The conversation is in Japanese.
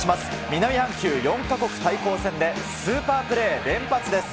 南半球４か国対抗戦で、スーパープレー連発です。